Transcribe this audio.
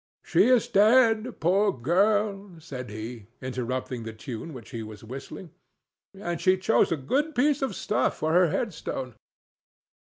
"She is dead, poor girl!" said he, interrupting the tune which he was whistling, "and she chose a good piece of stuff for her headstone.